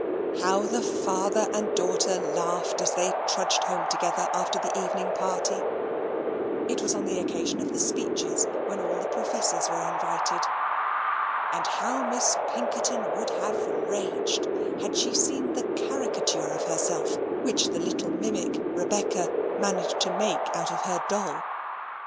How the father and daughter laughed as they trudged home together after the evening party (it was on the occasion of the speeches, when all the professors were invited) and how Miss Pinkerton would have raged had she seen the caricature of herself which the little mimic, Rebecca, managed to make out of her doll.